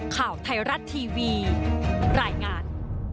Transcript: ข่าวไทยรัฐทีวีรายงาน